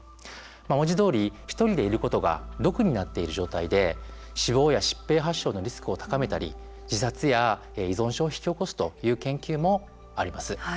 文字どおり、ひとりでいることが毒になっている状態で死亡や疾病発症のリスクを高めたり自殺や依存症を引き起こすという研究もあります。